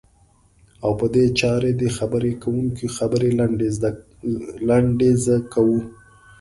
او په دې چارې د خبرې کوونکي خبرې لنډی ز کوو.